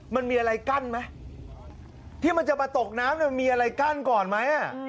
มันมีอะไรกั้นไหมที่มันจะมาตกน้ำมันมีอะไรกั้นก่อนไหม